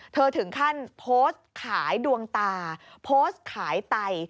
ถึงขั้นโพสต์ขายดวงตาโพสต์ขายไต